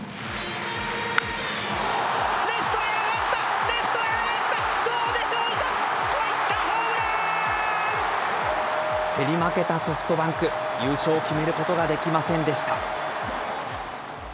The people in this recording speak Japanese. レフトへ上がった、レフトへ上がった、どうでしょうか、入っ競り負けたソフトバンク、優勝を決めることができませんでした。